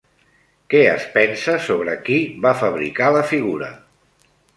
Què es pensa sobre qui va fabricar la figura?